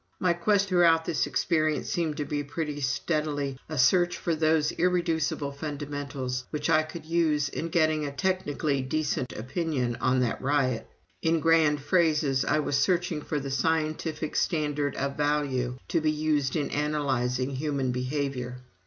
My quest throughout this experience seemed to be pretty steadily a search for those irreducible fundamentals which I could use in getting a technically decent opinion on that riot. In grand phrases, I was searching for the Scientific Standard of Value to be used in analyzing Human Behavior.